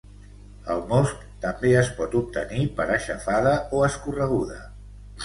El most també es pot obtenir per aixafada o escorreguda.